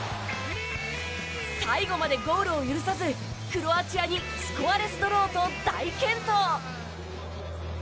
最後までゴールを許さずクロアチアにスコアレスドローと大健闘。